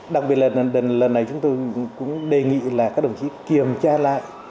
đặc biệt là lần này chúng tôi cũng đề nghị là các đồng chí kiểm tra lại